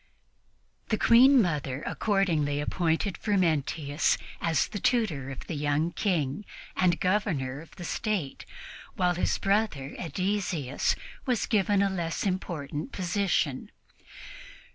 The Queen Mother accordingly appointed Frumentius as the tutor of the young King, and Governor of the State, while his brother Ædesius was given a less important position.